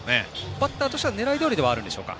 バッターとしては狙いどおりではあるんでしょうか。